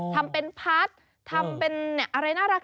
ทำเป็นพาร์ททำเป็นอะไรน่ารัก